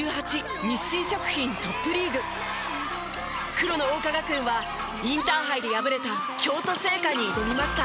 黒の桜花学園はインターハイで敗れた京都精華に挑みました。